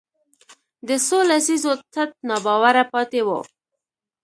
د څو لسیزو تت ناباوره پاتې وو